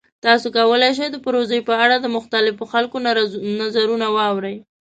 تاسو کولی شئ د پروژې په اړه د مختلفو خلکو نظرونه واورئ.